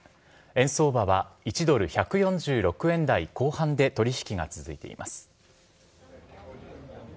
円相場は１ドル１４６円台後半で取引が続いています。